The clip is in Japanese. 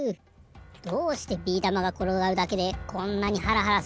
どうしてビーだまがころがるだけでこんなにハラハラするんでしょうね。